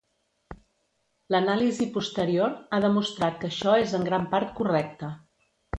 L'anàlisi posterior ha demostrat que això és en gran part correcte.